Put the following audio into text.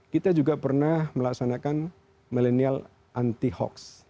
kita juga pernah melaksanakan millennial anti hoax